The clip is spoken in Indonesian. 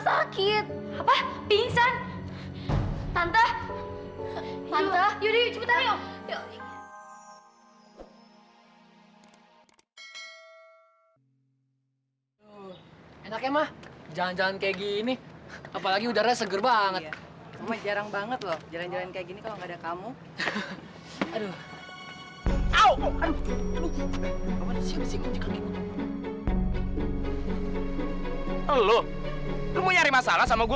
apa pingsan tante tante yaudah yuk cepetan yuk enaknya mah jalan jalan kayak gini apalagi udaranya seger banget iya cuma jarang banget loh jalan jalan kayak gini kalau gak ada kamu aduh